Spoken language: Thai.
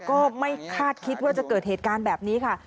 ก็ไม่คาดคิดว่าจะเกิดเหตุการณ์แบบนี้ค่ะ